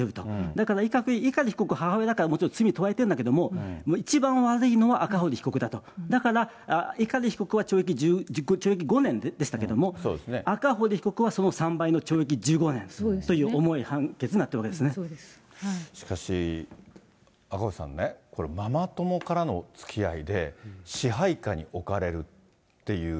だから碇被告、母親だからもちろん罪に問われているんだけれども、一番悪いのは赤堀被告だと。だから碇被告は懲役５年でしたけども、赤堀被告はその３倍の懲役１５年という重い判決になってるわけでしかし、赤星さんね、ママ友からのつきあいで、支配下に置かれるっていう。